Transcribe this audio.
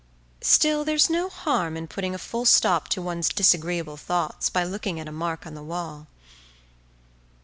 Still, there's no harm in putting a full stop to one's disagreeable thoughts by looking at a mark on the wall.